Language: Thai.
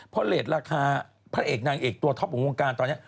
เพราะเลสราคาพระเอกนางเอกตัวท็อปของวงการตอนนี้